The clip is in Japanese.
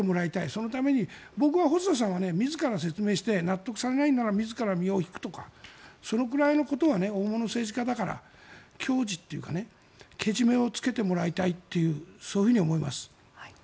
そのために、僕は細田さんは自ら説明して納得されないなら自ら身を引くとかそのくらいのことは大物政治家だから矜持というかけじめをつけてもらいたいというそういうふうに思います。